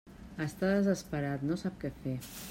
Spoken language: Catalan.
Està desesperat, no sap què fer.